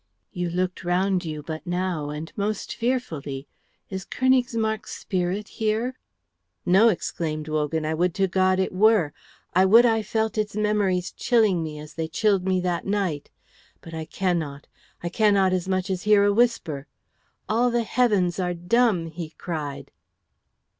"You looked round you but now and most fearfully. Is Königsmarck's spirit here?" "No," exclaimed Wogan; "I would to God it were! I would I felt its memories chilling me as they chilled me that night! But I cannot. I cannot as much as hear a whisper. All the heavens are dumb," he cried.